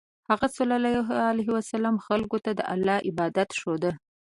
هغه ﷺ خلکو ته د الله عبادت ښوود.